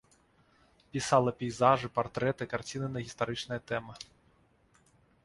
Пісала пейзажы, партрэты, карціны на гістарычныя тэмы.